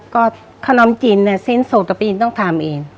ก็ขนมจีนเนี่ยสิ้นสดต่อไปอินต้องทำเอง